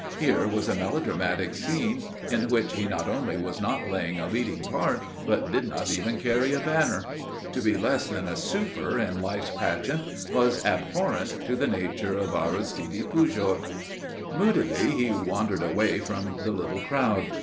Here was a melodramatic scene in which he not only was not playing a leading part, but did not even carry a banner. To be less than a super in life's pageant was abhorrent to the nature of Aristide Pujol. Moodily he wandered away from the little crowd.